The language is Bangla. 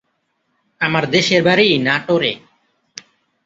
আমার দেশের বাড়ি নাটোরে।